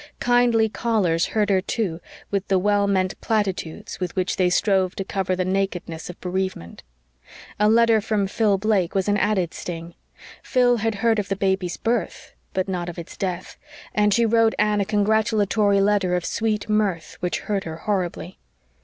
Kindly callers hurt her, too, with the well meant platitudes with which they strove to cover the nakedness of bereavement. A letter from Phil Blake was an added sting. Phil had heard of the baby's birth, but not of its death, and she wrote Anne a congratulatory letter of sweet mirth which hurt her horribly.